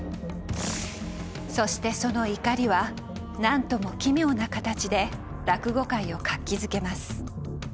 そしてその怒りは何とも奇妙な形で落語界を活気づけます。